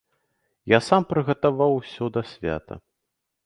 Я сам прыгатаваў усё да свята.